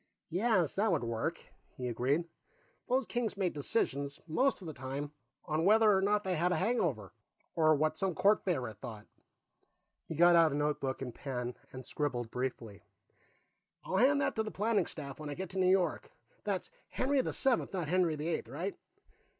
"Yes, that would work," he agreed. "Those kings made decisions, most of the time, on whether or not they had a hangover, or what some court favorite thought." He got out a notebook and pen and scribbled briefly. "I'll hand that to the planning staff when I get to New York. That's Henry the Seventh, not Henry the Eighth? Right.